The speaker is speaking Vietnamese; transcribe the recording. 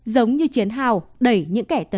giống như chiến hào đẩy những kẻ tấn công ra ngoài